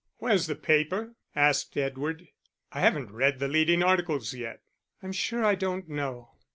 "Where's the paper?" asked Edward. "I haven't read the leading articles yet." "I'm sure I don't know."